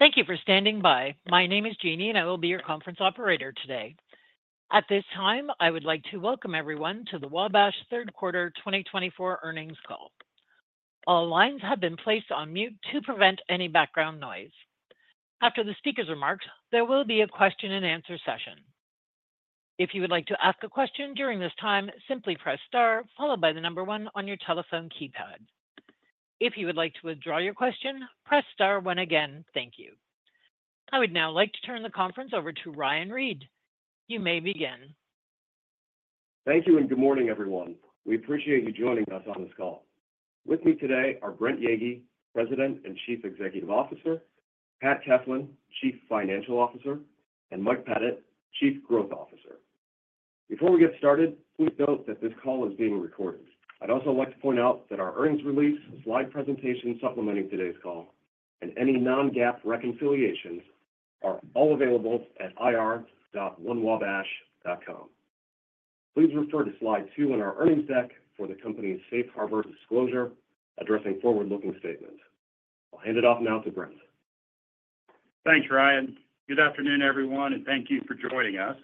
Thank you for standing by. My name is Jeannie, and I will be your conference operator today. At this time, I would like to welcome everyone to the Wabash Third Quarter twenty twenty-four Earnings Call. All lines have been placed on mute to prevent any background noise. After the speaker's remarks, there will be a question-and-answer session. If you would like to ask a question during this time, simply press star followed by the number one on your telephone keypad. If you would like to withdraw your question, press star one again. Thank you. I would now like to turn the conference over to Ryan Reed. You may begin. Thank you, and good morning, everyone. We appreciate you joining us on this call. With me today are Brent Yeagy, President and Chief Executive Officer, Pat Keslin, Chief Financial Officer, and Mike Pettit, Chief Growth Officer. Before we get started, please note that this call is being recorded. I'd also like to point out that our earnings release, slide presentation supplementing today's call, and any non-GAAP reconciliations are all available at ir.wabash.com. Please refer to slide two in our earnings deck for the company's safe harbor disclosure addressing forward-looking statements. I'll hand it off now to Brent. Thanks, Ryan. Good afternoon, everyone, and thank you for joining us.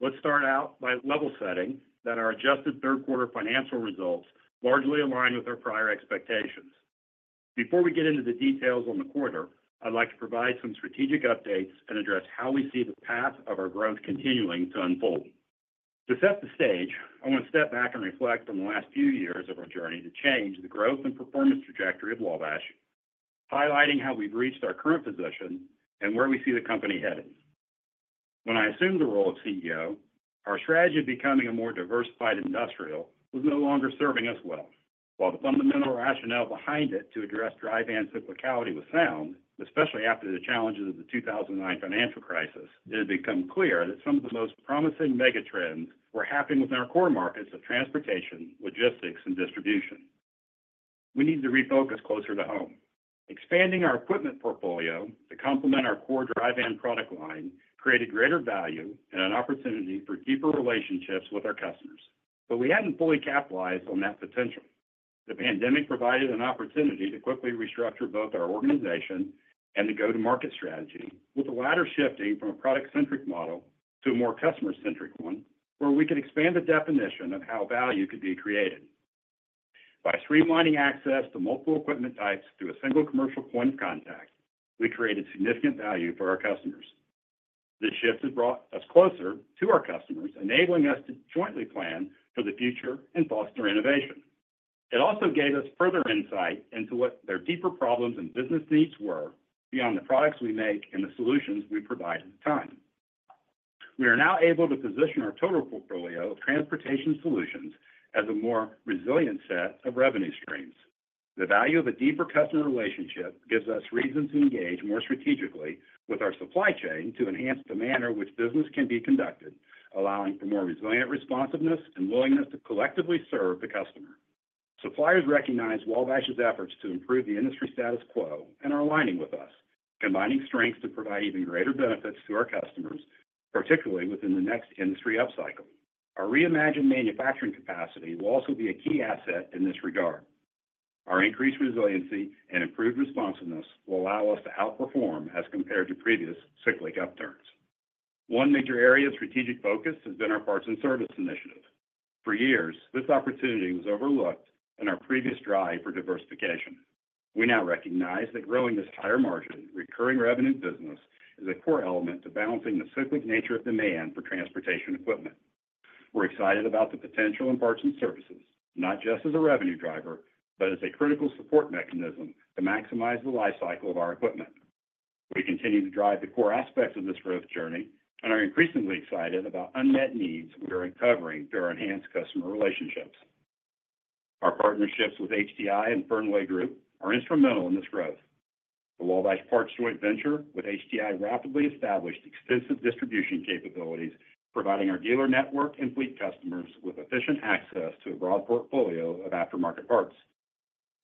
Let's start out by level setting that our adjusted third quarter financial results largely align with our prior expectations. Before we get into the details on the quarter, I'd like to provide some strategic updates and address how we see the path of our growth continuing to unfold. To set the stage, I want to step back and reflect on the last few years of our journey to change the growth and performance trajectory of Wabash, highlighting how we've reached our current position and where we see the company headed. When I assumed the role of CEO, our strategy of becoming a more diversified industrial was no longer serving us well. While the fundamental rationale behind it to address dry van cyclicality was sound, especially after the challenges of the 2009 financial crisis, it had become clear that some of the most promising megatrends were happening within our core markets of transportation, logistics, and distribution. We needed to refocus closer to home, expanding our equipment portfolio to complement our core dry van product line, created greater value and an opportunity for deeper relationships with our customers. But we hadn't fully capitalized on that potential. The pandemic provided an opportunity to quickly restructure both our organization and the go-to-market strategy, with the latter shifting from a product-centric model to a more customer-centric one, where we could expand the definition of how value could be created. By streamlining access to multiple equipment types through a single commercial point of contact, we created significant value for our customers. This shift has brought us closer to our customers, enabling us to jointly plan for the future and foster innovation. It also gave us further insight into what their deeper problems and business needs were beyond the products we make and the solutions we provide at the time. We are now able to position our total portfolio of transportation solutions as a more resilient set of revenue streams. The value of a deeper customer relationship gives us reason to engage more strategically with our supply chain to enhance the manner in which business can be conducted, allowing for more resilient responsiveness and willingness to collectively serve the customer. Suppliers recognize Wabash's efforts to improve the industry status quo and are aligning with us, combining strengths to provide even greater benefits to our customers, particularly within the next industry upcycle. Our reimagined manufacturing capacity will also be a key asset in this regard. Our increased resiliency and improved responsiveness will allow us to outperform as compared to previous cyclic upturns. One major area of strategic focus has been our parts and service initiative. For years, this opportunity was overlooked in our previous drive for diversification. We now recognize that growing this higher margin, recurring revenue business is a core element to balancing the cyclic nature of demand for transportation equipment. We're excited about the potential in parts and services, not just as a revenue driver, but as a critical support mechanism to maximize the life cycle of our equipment. We continue to drive the core aspects of this growth journey and are increasingly excited about unmet needs we are uncovering through our enhanced customer relationships. Our partnerships with HDA and Fernweh Group are instrumental in this growth. The Wabash Parts joint venture with HDA rapidly established extensive distribution capabilities, providing our dealer network and fleet customers with efficient access to a broad portfolio of aftermarket parts.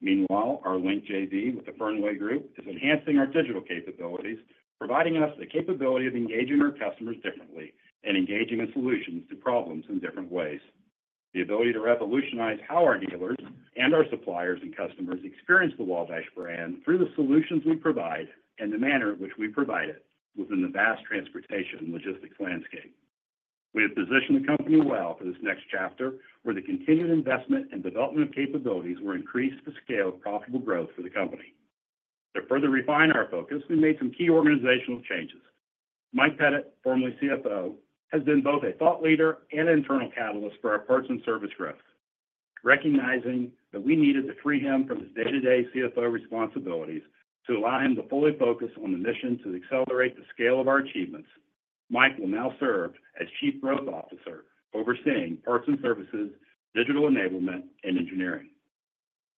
Meanwhile, our Link JV with the Fernweh Group is enhancing our digital capabilities, providing us the capability of engaging our customers differently and engaging in solutions to problems in different ways. The ability to revolutionize how our dealers and our suppliers and customers experience the Wabash brand through the solutions we provide and the manner in which we provide it, within the vast transportation logistics landscape. We have positioned the company well for this next chapter, where the continued investment and development of capabilities will increase the scale of profitable growth for the company. To further refine our focus, we made some key organizational changes. Mike Pettit, formerly CFO, has been both a thought leader and internal catalyst for our parts and services growth. Recognizing that we needed to free him from his day-to-day CFO responsibilities to allow him to fully focus on the mission to accelerate the scale of our achievements, Mike will now serve as Chief Growth Officer, overseeing parts and services, digital enablement, and engineering.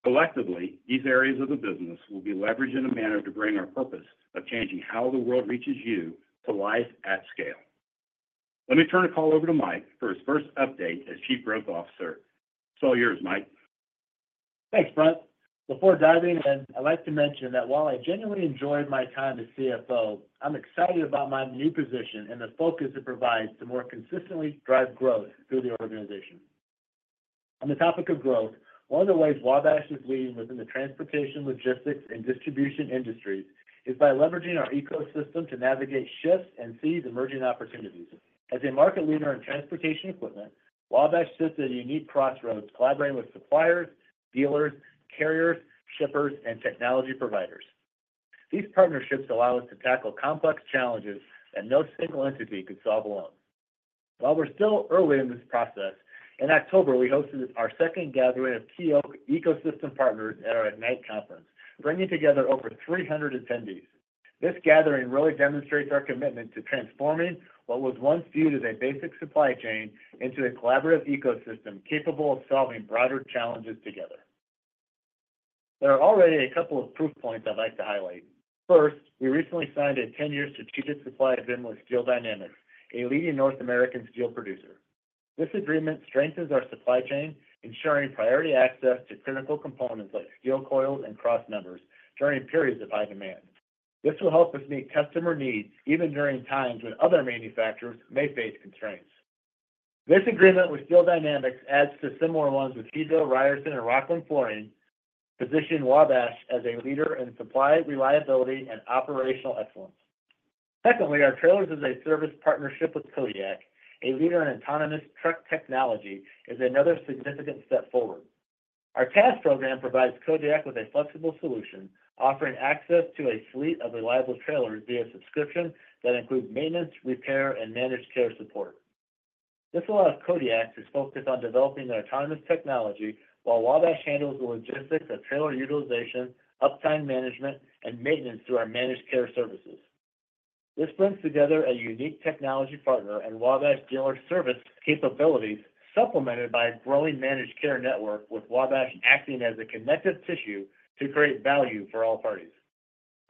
Collectively, these areas of the business will be leveraged in a manner to bring our purpose of changing how the world reaches you to life at scale. Let me turn the call over to Mike for his first update as Chief Growth Officer. It's all yours, Mike. Thanks, Brent. Before diving in, I'd like to mention that while I genuinely enjoyed my time as CFO, I'm excited about my new position and the focus it provides to more consistently drive growth through the organization. On the topic of growth, one of the ways Wabash is leading within the transportation, logistics, and distribution industries is by leveraging our ecosystem to navigate shifts and seize emerging opportunities. As a market leader in transportation equipment, Wabash sits at a unique crossroads, collaborating with suppliers, dealers, carriers, shippers, and technology providers. These partnerships allow us to tackle complex challenges that no single entity could solve alone. While we're still early in this process, in October, we hosted our second gathering of our ecosystem partners at our Ignite conference, bringing together over 300 attendees. This gathering really demonstrates our commitment to transforming what was once viewed as a basic supply chain into a collaborative ecosystem, capable of solving broader challenges together. There are already a couple of proof points I'd like to highlight. First, we recently signed a ten-year strategic supply agreement with Steel Dynamics, a leading North American steel producer. This agreement strengthens our supply chain, ensuring priority access to critical components like steel coils and crossmembers during periods of high demand. This will help us meet customer needs, even during times when other manufacturers may face constraints. This agreement with Steel Dynamics adds to similar ones with Hydro, Ryerson, and Rockland Flooring, positioning Wabash as a leader in supply, reliability, and operational excellence. Secondly, our Trailers-as-a-Service partnership with Kodiak, a leader in autonomous truck technology, is another significant step forward. Our TaaS program provides Kodiak with a flexible solution, offering access to a fleet of reliable trailers via subscription that includes maintenance, repair, and managed care support. This allows Kodiak to focus on developing their autonomous technology, while Wabash handles the logistics of trailer utilization, uptime management, and maintenance through our managed care services. This brings together a unique technology partner and Wabash dealer service capabilities, supplemented by a growing managed care network, with Wabash acting as a connective tissue to create value for all parties.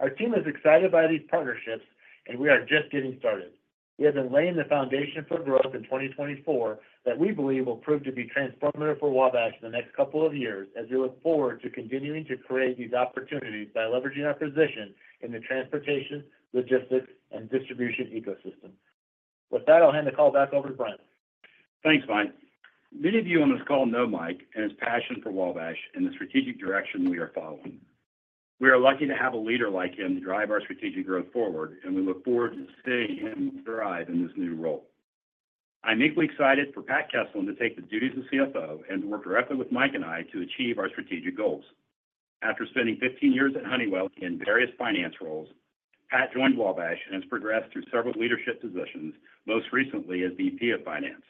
Our team is excited by these partnerships, and we are just getting started. We have been laying the foundation for growth in 2024 that we believe will prove to be transformative for Wabash in the next couple of years as we look forward to continuing to create these opportunities by leveraging our position in the transportation, logistics, and distribution ecosystem. With that, I'll hand the call back over to Brent. Thanks, Mike. Many of you on this call know Mike and his passion for Wabash and the strategic direction we are following. We are lucky to have a leader like him to drive our strategic growth forward, and we look forward to seeing him thrive in this new role. I'm equally excited for Pat Kesling to take the duties of CFO and to work directly with Mike and I to achieve our strategic goals. After spending fifteen years at Honeywell in various finance roles, Pat joined Wabash and has progressed through several leadership positions, most recently as VP of Finance.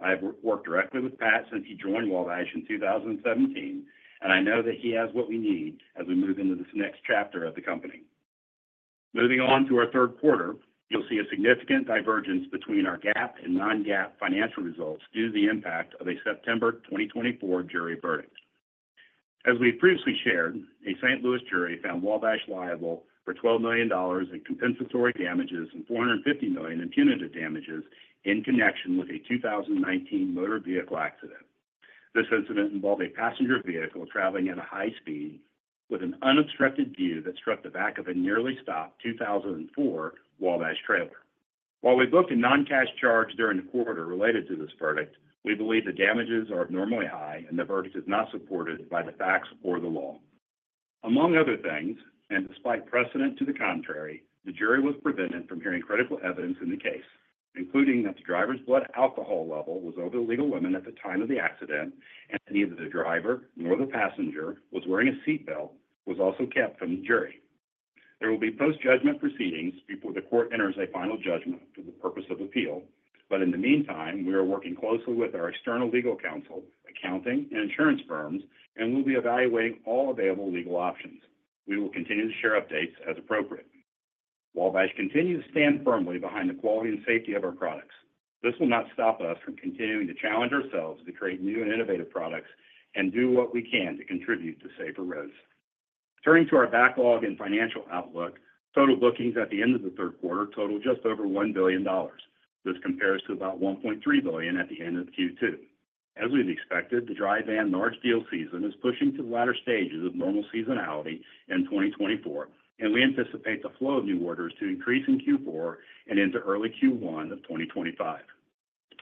I have worked directly with Pat since he joined Wabash in 2017, and I know that he has what we need as we move into this next chapter of the company. Moving on to our third quarter, you'll see a significant divergence between our GAAP and non-GAAP financial results due to the impact of a September 2024 jury verdict. As we previously shared, a St. Louis jury found Wabash liable for $12 million in compensatory damages and $450 million in punitive damages in connection with a 2019 motor vehicle accident. This incident involved a passenger vehicle traveling at a high speed with an unobstructed view that struck the back of a nearly stopped 2004 Wabash trailer. While we booked a non-cash charge during the quarter related to this verdict, we believe the damages are abnormally high and the verdict is not supported by the facts or the law. Among other things, and despite precedent to the contrary, the jury was prevented from hearing critical evidence in the case, including that the driver's blood alcohol level was over the legal limit at the time of the accident, and neither the driver nor the passenger was wearing a seatbelt, was also kept from the jury. There will be post-judgment proceedings before the court enters a final judgment for the purpose of appeal, but in the meantime, we are working closely with our external legal counsel, accounting, and insurance firms, and we'll be evaluating all available legal options. We will continue to share updates as appropriate. Wabash continues to stand firmly behind the quality and safety of our products. This will not stop us from continuing to challenge ourselves to create new and innovative products and do what we can to contribute to safer roads. Turning to our backlog and financial outlook, total bookings at the end of the third quarter totaled just over $1 billion. This compares to about $1.3 billion at the end of Q2. As we'd expected, the dry van and large fleet season is pushing to the latter stages of normal seasonality in 2024, and we anticipate the flow of new orders to increase in Q4 and into early Q1 of 2025.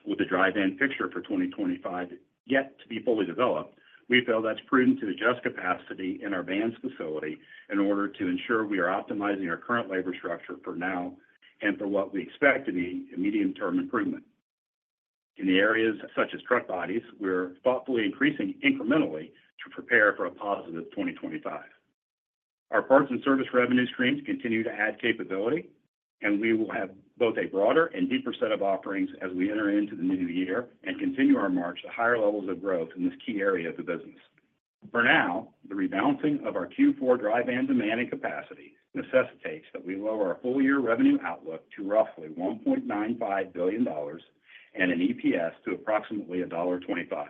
With the dry van fixture for 2025 yet to be fully developed, we feel that's prudent to adjust capacity in our vans facility in order to ensure we are optimizing our current labor structure for now and for what we expect to be a medium-term improvement. In the areas such as truck bodies, we're thoughtfully increasing incrementally to prepare for a positive 2025. Our parts and service revenue streams continue to add capability, and we will have both a broader and deeper set of offerings as we enter into the new year and continue our march to higher levels of growth in this key area of the business. For now, the rebalancing of our Q4 dry van demand and capacity necessitates that we lower our full year revenue outlook to roughly $1.95 billion and an EPS to approximately $1.25.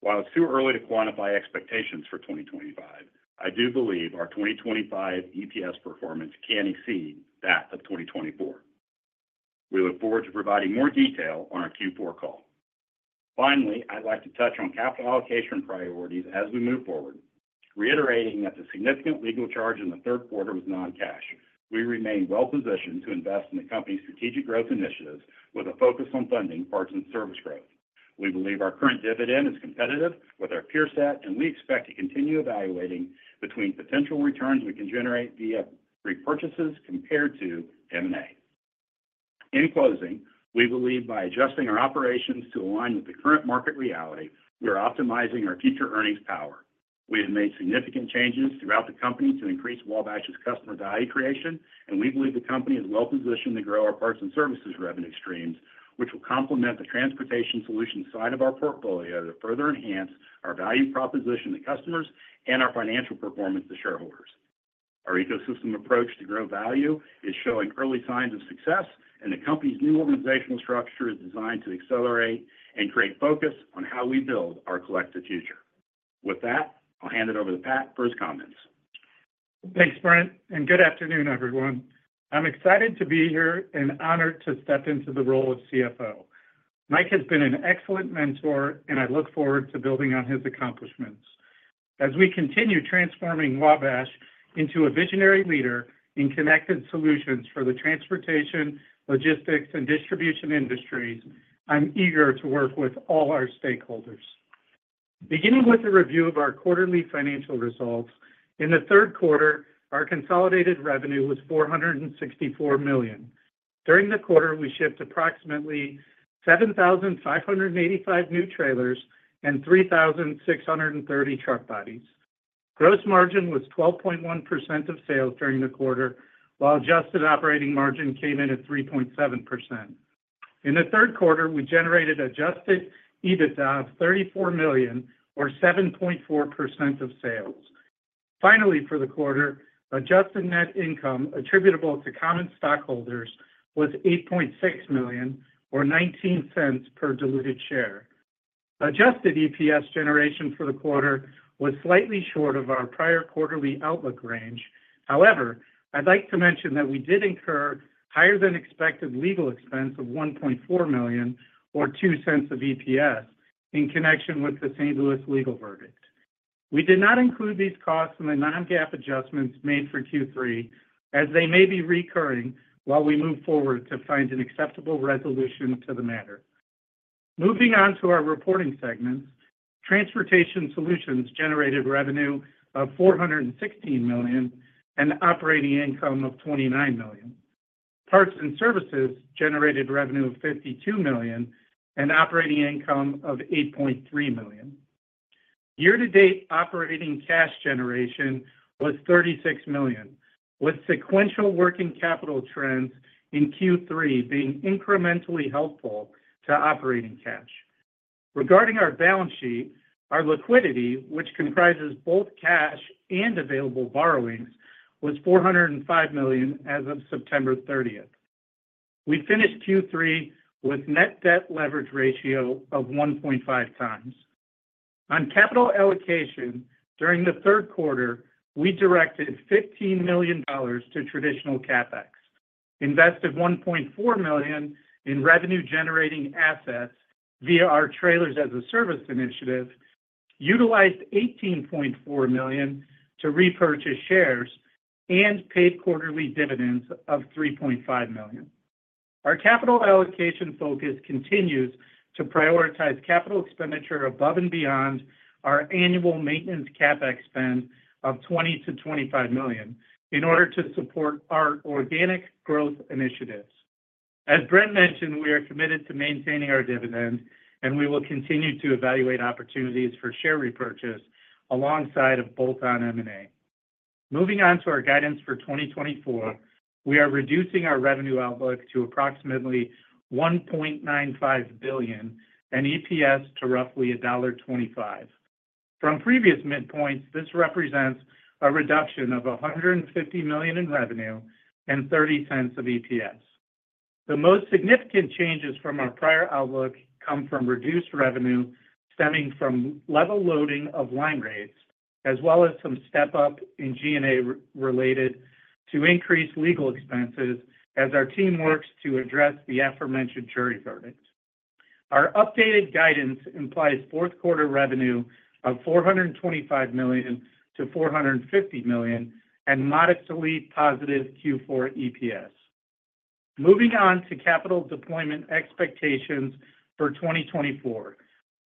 While it's too early to quantify expectations for 2025, I do believe our 2025 EPS performance can exceed that of 2024. We look forward to providing more detail on our Q4 call. Finally, I'd like to touch on capital allocation priorities as we move forward, reiterating that the significant legal charge in the third quarter was non-cash. We remain well positioned to invest in the company's strategic growth initiatives, with a focus on funding parts and service growth. We believe our current dividend is competitive with our peer set, and we expect to continue evaluating between potential returns we can generate via repurchases compared to M&A. In closing, we believe by adjusting our operations to align with the current market reality, we are optimizing our future earnings power. We have made significant changes throughout the company to increase Wabash's customer value creation, and we believe the company is well positioned to grow our parts and services revenue streams, which will complement the transportation solutions side of our portfolio to further enhance our value proposition to customers and our financial performance to shareholders. Our ecosystem approach to grow value is showing early signs of success, and the company's new organizational structure is designed to accelerate and create focus on how we build our collective future. With that, I'll hand it over to Pat for his comments. Thanks, Brent, and good afternoon, everyone. I'm excited to be here and honored to step into the role of CFO. Mike has been an excellent mentor, and I look forward to building on his accomplishments. As we continue transforming Wabash into a visionary leader in connected solutions for the transportation, logistics, and distribution industries, I'm eager to work with all our stakeholders. Beginning with a review of our quarterly financial results, in the third quarter, our consolidated revenue was $464 million. During the quarter, we shipped approximately 7,585 new trailers and 3,630 truck bodies. Gross margin was 12.1% of sales during the quarter, while adjusted operating margin came in at 3.7%. In the third quarter, we generated adjusted EBITDA of $34 million, or 7.4% of sales. Finally, for the quarter, adjusted net income attributable to common stockholders was $8.6 million, or $0.19 per diluted share. Adjusted EPS generation for the quarter was slightly short of our prior quarterly outlook range. However, I'd like to mention that we did incur higher than expected legal expense of $1.4 million, or $0.02 of EPS, in connection with the St. Louis legal verdict. We did not include these costs in the non-GAAP adjustments made for Q3, as they may be recurring while we move forward to find an acceptable resolution to the matter. Moving on to our reporting segments, Transportation Solutions generated revenue of $416 million and operating income of $29 million. Parts and Services generated revenue of $52 million and operating income of $8.3 million. Year-to-date operating cash generation was $36 million, with sequential working capital trends in Q3 being incrementally helpful to operating cash. Regarding our balance sheet, our liquidity, which comprises both cash and available borrowings, was $405 million as of September thirtieth. We finished Q3 with net debt leverage ratio of 1.5 times. On capital allocation, during the third quarter, we directed $15 million to traditional CapEx, invested $1.4 million in revenue-generating assets via our Trailers-as-a-Service initiative, utilized $18.4 million to repurchase shares, and paid quarterly dividends of $3.5 million. Our capital allocation focus continues to prioritize capital expenditure above and beyond our annual maintenance CapEx spend of $20 million-$25 million in order to support our organic growth initiatives. As Brent mentioned, we are committed to maintaining our dividend, and we will continue to evaluate opportunities for share repurchase alongside of bolt-on M&A. Moving on to our guidance for 2024, we are reducing our revenue outlook to approximately $1.95 billion and EPS to roughly $1.25. From previous midpoints, this represents a reduction of $150 million in revenue and $0.30 of EPS. The most significant changes from our prior outlook come from reduced revenue, stemming from level loading of line rates, as well as some step-up in G&A related to increased legal expenses, as our team works to address the aforementioned jury verdict. Our updated guidance implies fourth quarter revenue of $425 million-$450 million and modestly positive Q4 EPS. Moving on to capital deployment expectations for 2024,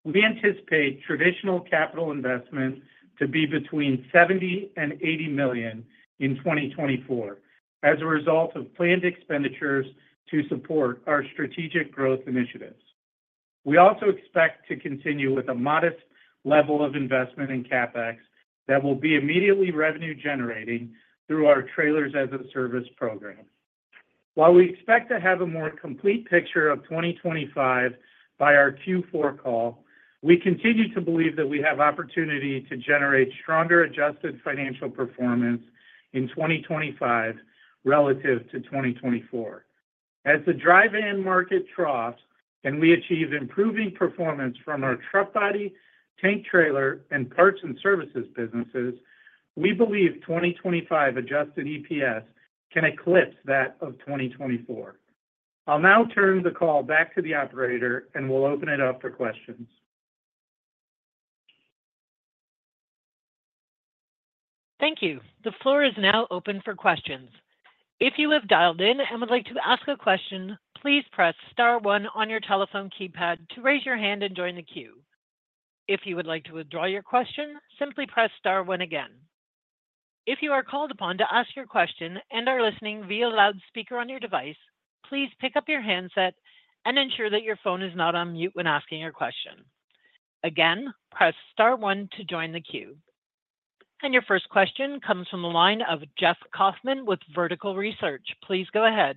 we anticipate traditional capital investment to be between $70 million and $80 million in 2024 as a result of planned expenditures to support our strategic growth initiatives. We also expect to continue with a modest level of investment in CapEx that will be immediately revenue generating through our Trailers-as-a-Service program. While we expect to have a more complete picture of 2025 by our Q4 call, we continue to believe that we have opportunity to generate stronger adjusted financial performance in 2025 relative to 2024. As the dry van market troughs and we achieve improving performance from our truck body, tank trailer, and Parts and Services businesses, we believe 2025 adjusted EPS can eclipse that of 2024. I'll now turn the call back to the operator, and we'll open it up for questions. Thank you. The floor is now open for questions. If you have dialed in and would like to ask a question, please press star one on your telephone keypad to raise your hand and join the queue. If you would like to withdraw your question, simply press star one again. If you are called upon to ask your question and are listening via loudspeaker on your device, please pick up your handset and ensure that your phone is not on mute when asking your question. Again, press star one to join the queue. Your first question comes from the line of Jeff Kauffman with Vertical Research. Please go ahead.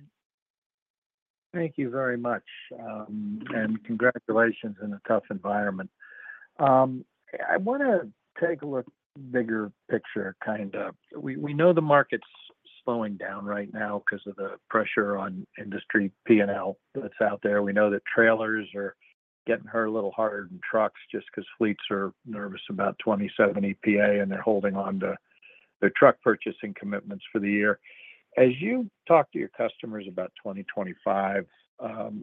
Thank you very much, and congratulations in a tough environment. I wanna take a look bigger picture, kind of. We know the market's slowing down right now because of the pressure on industry P&L that's out there. We know that trailers are getting hurt a little harder than trucks just because fleets are nervous about 2027 EPA, and they're holding on to their truck purchasing commitments for the year. As you talk to your customers about 2025,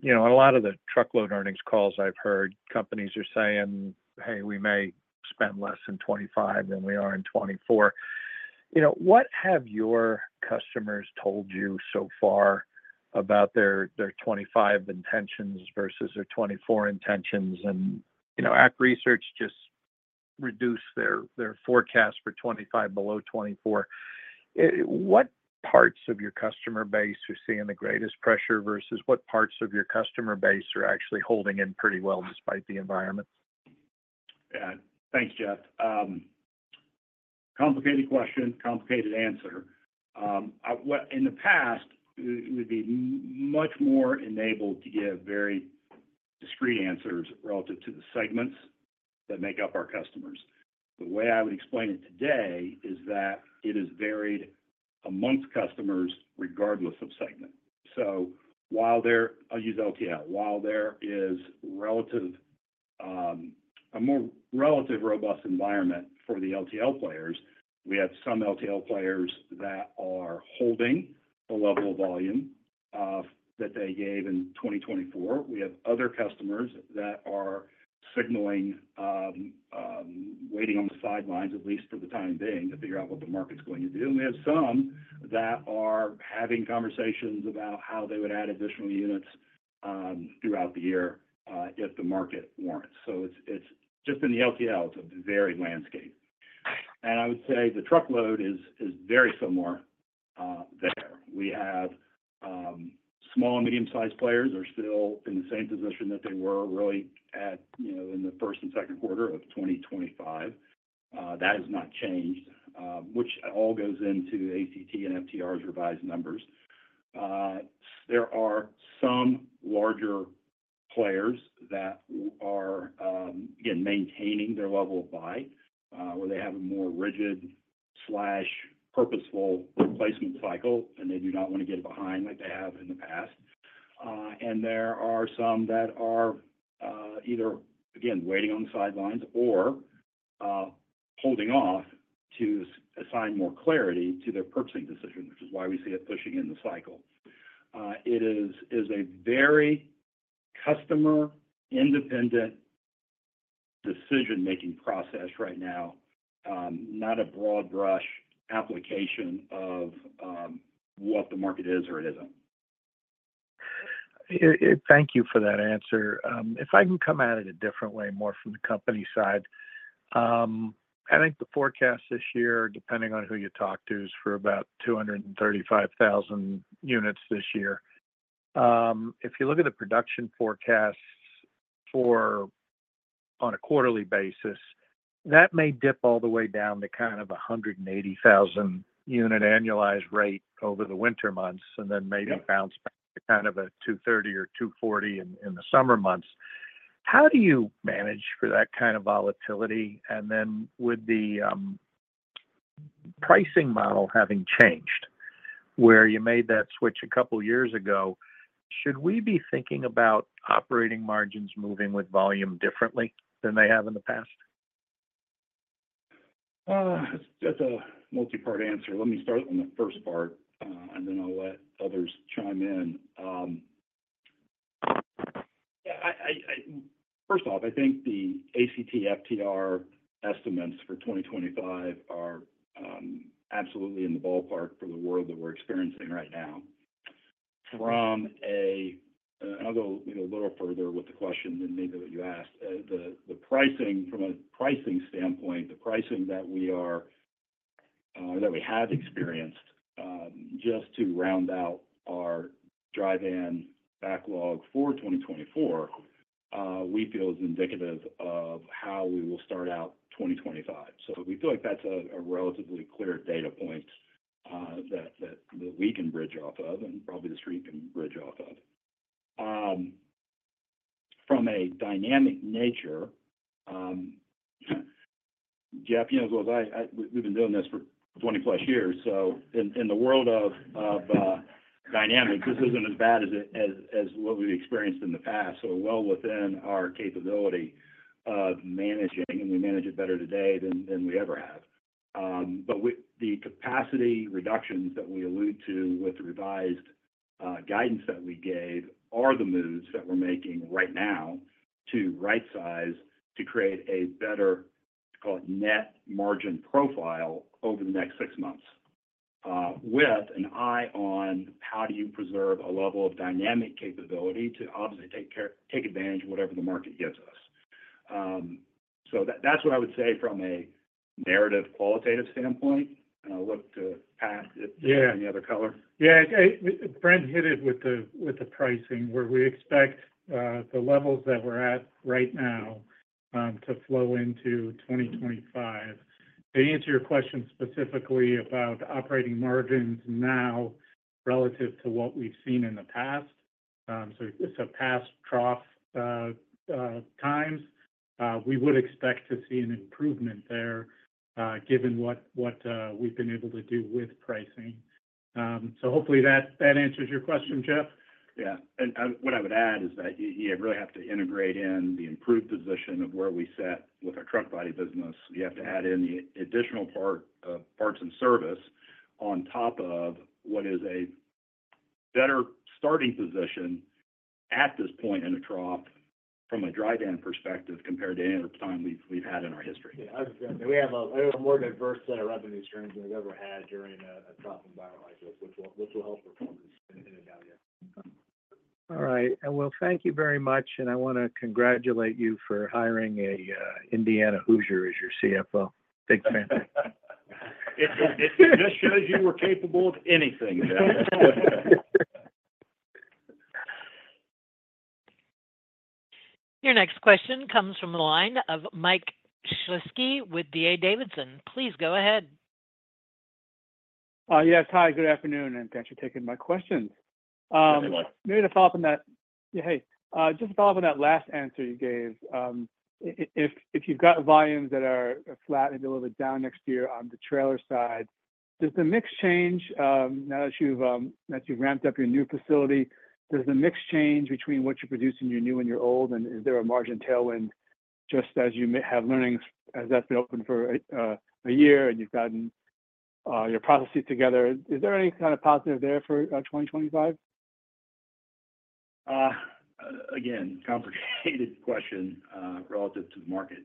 you know, a lot of the truckload earnings calls I've heard, companies are saying, "Hey, we may spend less in 2025 than we are in 2024." You know, what have your customers told you so far about their 2025 intentions versus their 2024 intentions? And, you know, ACT Research just reduced their forecast for 2025 below 2024. What parts of your customer base are seeing the greatest pressure versus what parts of your customer base are actually holding in pretty well despite the environment? Yeah. Thanks, Jeff. Complicated question, complicated answer. In the past, we, we'd be much more enabled to give very discrete answers relative to the segments that make up our customers. The way I would explain it today is that it is varied amongst customers, regardless of segment. So while there, I'll use LTL. While there is relative, a more relative robust environment for the LTL players, we have some LTL players that are holding the level of volume, that they gave in twenty twenty-four. We have other customers that are signaling, waiting on the sidelines, at least for the time being, to figure out what the market's going to do. And we have some that are having conversations about how they would add additional units, throughout the year, if the market warrants. So it's just in the LTL. It's a varied landscape. I would say the truckload is very similar there. We have small and medium-sized players are still in the same position that they were really at, you know, in the first and second quarter of twenty twenty-five. That has not changed, which all goes into ACT and FTR's revised numbers. There are some larger players that are again maintaining their level of buy, where they have a more rigid, purposeful replacement cycle, and they do not want to get behind like they have in the past. And there are some that are either again waiting on the sidelines or holding off to gain more clarity to their purchasing decision, which is why we see it pushing in the cycle. It is a very customer-independent decision-making process right now, not a broad brush application of what the market is or it isn't. Thank you for that answer. If I can come at it a different way, more from the company side. I think the forecast this year, depending on who you talk to, is for about two hundred and thirty-five thousand units this year. If you look at the production forecasts for on a quarterly basis, that may dip all the way down to kind of a hundred and eighty thousand unit annualized rate over the winter months. Yeah. And then maybe bounce back to kind of a two thirty or two forty in the summer months. How do you manage for that kind of volatility? And then with the pricing model having changed, where you made that switch a couple of years ago, should we be thinking about operating margins moving with volume differently than they have in the past? That's a multi-part answer. Let me start on the first part, and then I'll let others chime in. Yeah, first off, I think the ACT FTR estimates for twenty twenty-five are absolutely in the ballpark for the world that we're experiencing right now. From a, and I'll go, you know, a little further with the question than maybe what you asked. The pricing, from a pricing standpoint, the pricing that we have experienced, just to round out our dry van backlog for twenty twenty-four, we feel is indicative of how we will start out twenty twenty-five. So we feel like that's a relatively clear data point, that we can bridge off of and probably the street can bridge off of. From a dynamic nature, Jeff, you know, as well as I, we've been doing this for twenty-plus years, so in the world of dynamics, this isn't as bad as what we've experienced in the past, so well within our capability of managing, and we manage it better today than we ever have. But with the capacity reductions that we allude to with the revised guidance that we gave are the moves that we're making right now to rightsize, to create a better, call it, net margin profile over the next six months. With an eye on how do you preserve a level of dynamic capability to obviously take advantage of whatever the market gives us. So that's what I would say from a narrative, qualitative standpoint, and I'll look to Pat- Yeah. If you have any other color. Yeah. Brent hit it with the pricing, where we expect the levels that we're at right now to flow into 2025. To answer your question specifically about operating margins now relative to what we've seen in the past, so past trough times, we would expect to see an improvement there, given what we've been able to do with pricing. So hopefully that answers your question, Jeff. Yeah. And what I would add is that you really have to integrate in the improved position of where we sit with our truck body business. You have to add in the additional parts and service on top of what is a better starting position at this point in a trough from a dry van perspective, compared to any other time we've had in our history. We have a more diverse set of revenue streams than we've ever had during a trough environment, which will help performance in a valley. All right. Well, thank you very much, and I want to congratulate you for hiring a Indiana Hoosier as your CFO. Big fan. It just shows you we're capable of anything. Your next question comes from the line of Mike Shlisky with D.A. Davidson. Please go ahead. Yes. Hi, good afternoon, and thanks for taking my questions. Good afternoon. Maybe to follow up on that. Hey, just to follow up on that last answer you gave, if you've got volumes that are flat and a little bit down next year on the trailer side, does the mix change, now that you've ramped up your new facility, does the mix change between what you produce in your new and your old? And is there a margin tailwind, just as you may have learnings, as that's been open for a year, and you've gotten your processes together? Is there any kind of positive there for 2025? Again, complicated question relative to the market.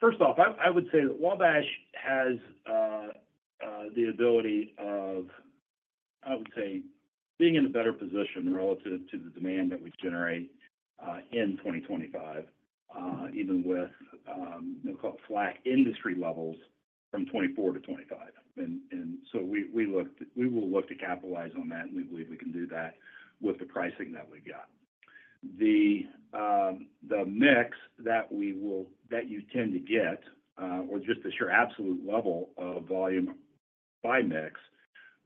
First off, I would say that Wabash has the ability of, I would say, being in a better position relative to the demand that we generate in 2025, even with call it flat industry levels from 2024 to 2025. And so we will look to capitalize on that, and we believe we can do that with the pricing that we've got. The mix that you tend to get, or just as your absolute level of volume by mix,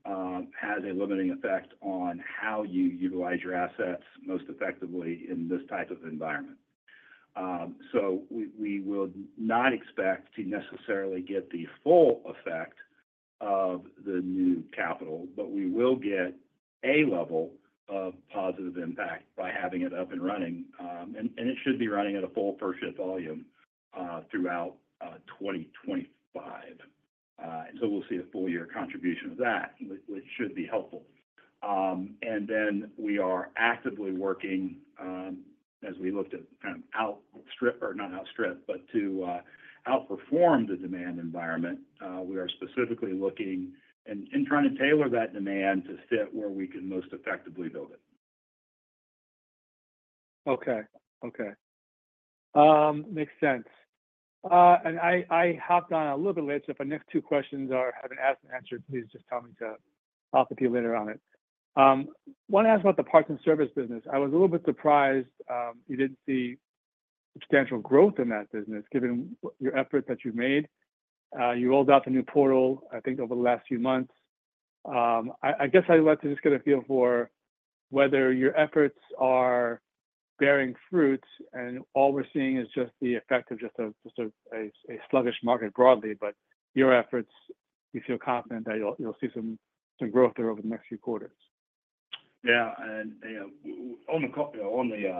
has a limiting effect on how you utilize your assets most effectively in this type of environment. We will not expect to necessarily get the full effect of the new capital, but we will get a level of positive impact by having it up and running. It should be running at a full purchase volume throughout 2025. We'll see a full year contribution of that, which should be helpful. We are actively working, as we looked at kind of outstrip, or not outstrip, but to outperform the demand environment. We are specifically looking and trying to tailor that demand to fit where we can most effectively build it. Okay. Okay. Makes sense. And I hopped on a little bit late, so if my next two questions have been asked and answered, please just tell me to talk with you later on it. Want to ask about the Parts and Services business. I was a little bit surprised you didn't see substantial growth in that business, given your efforts that you've made. You rolled out the new portal, I think, over the last few months. I guess I'd like to just get a feel for whether your efforts are bearing fruits, and all we're seeing is just the effect of a sluggish market broadly. But your efforts, you feel confident that you'll see some growth there over the next few quarters? Yeah, and on the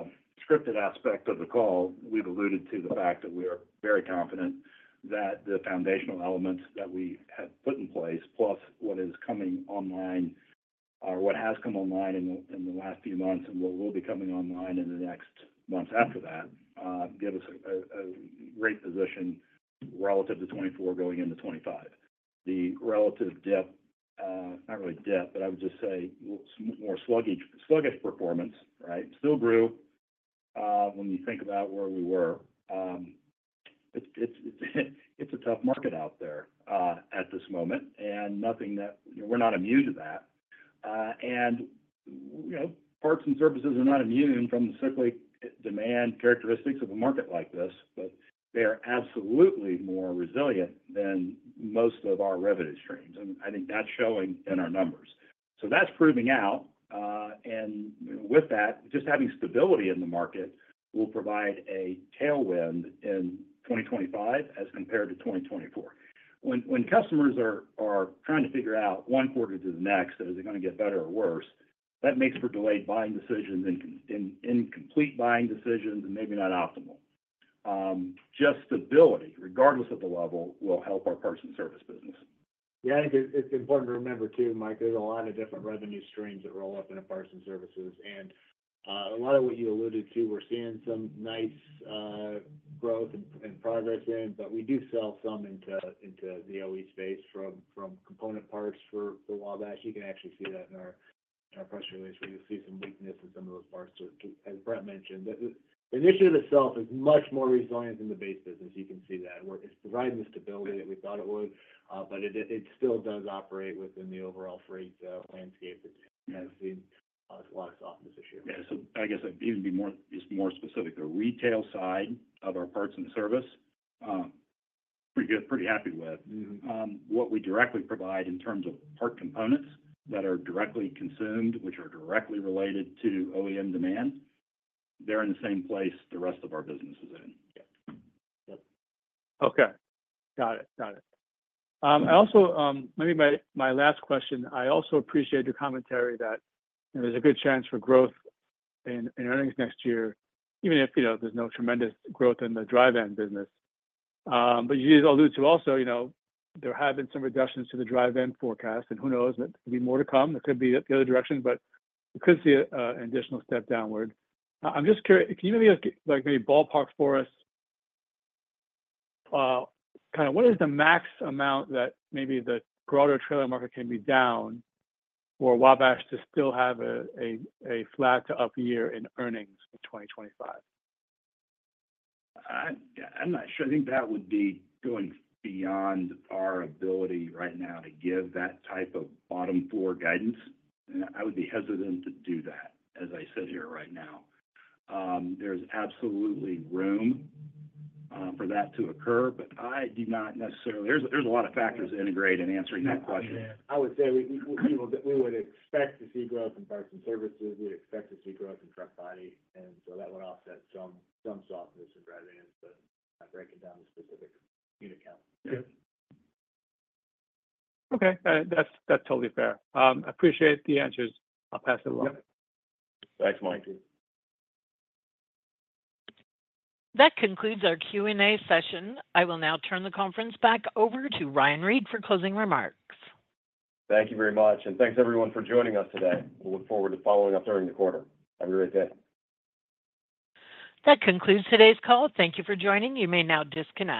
scripted aspect of the call, we've alluded to the fact that we are very confident that the foundational elements that we have put in place, plus what is coming online, or what has come online in the last few months and what will be coming online in the next months after that, give us a great position relative to 2024 going into 2025. The relative dip, not really a dip, but I would just say more sluggish performance, right? Still grew, when you think about where we were. It's a tough market out there at this moment, and nothing that... We're not immune to that. And, you know, parts and services are not immune from the cyclic demand characteristics of a market like this, but they are absolutely more resilient than most of our revenue streams, and I think that's showing in our numbers. So that's proving out, and with that, just having stability in the market will provide a tailwind in 2025 as compared to 2024. When customers are trying to figure out one quarter to the next, is it gonna get better or worse? That makes for delayed buying decisions and incomplete buying decisions and maybe not optimal. Just stability, regardless of the level, will help our parts and service business. Yeah, I think it's important to remember, too, Mike, there's a lot of different revenue streams that roll up into parts and services, and a lot of what you alluded to, we're seeing some nice growth and progress in. But we do sell some into the OE space from component parts for Wabash. You can actually see that in our press release, where you'll see some weakness in some of those parts. So as Brent mentioned, the initiative itself is much more resilient than the base business. You can see that, where it's providing the stability that we thought it would, but it still does operate within the overall freight landscape that has seen a lot of softness this year. Yeah. So I guess I'd even be more, just more specific. The retail side of our parts and service, pretty good, pretty happy with. Mm-hmm. What we directly provide in terms of part components that are directly consumed, which are directly related to OEM demand, they're in the same place the rest of our business is in. Yeah. Okay. Got it. Got it. I also, maybe my last question, I also appreciate your commentary that, you know, there's a good chance for growth in earnings next year, even if, you know, there's no tremendous growth in the dry van business. But you just allude to also, you know, there have been some reductions to the dry van forecast, and who knows, there could be more to come. It could be the other direction, but we could see an additional step downward. I'm just curious, can you maybe, like, maybe ballpark for us, kind of what is the max amount that maybe the broader trailer market can be down for Wabash to still have a flat-to-up year in earnings in twenty twenty-five? I'm not sure. I think that would be going beyond our ability right now to give that type of bottom-floor guidance, and I would be hesitant to do that, as I sit here right now. There's absolutely room for that to occur, but I do not necessarily... There's a lot of factors that integrate in answering that question. I would say we would expect to see growth in parts and services. We'd expect to see growth in truck body, and so that would offset some softness in dry vans, but not breaking down the specific unit count. Yeah. Okay. That's, that's totally fair. Appreciate the answers. I'll pass it along. Yep. Thanks, Mike. That concludes our Q&A session. I will now turn the conference back over to Ryan Reed for closing remarks. Thank you very much, and thanks, everyone, for joining us today. We look forward to following up during the quarter. Have a great day. That concludes today's call. Thank you for joining. You may now disconnect.